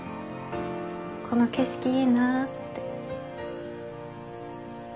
この景色いいなって。